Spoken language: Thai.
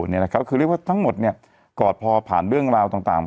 คือเรียกว่าทั้งหมดเนี่ยกอดพอผ่านเรื่องราวต่าง